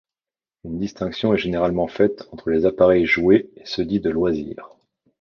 Une distinction est généralement faite entre les appareils jouets et ceux dits de loisir.